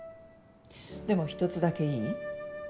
でも１つだけいい？